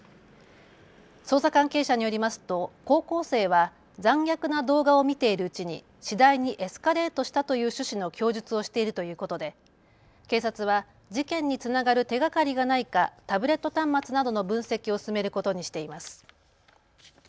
捜査関係者によりますと高校生は残虐な動画を見ているうちに次第にエスカレートしたという趣旨の供述をしているということで警察は事件につながる手がかりがないかタブレット端末などの分析を進めることにしています。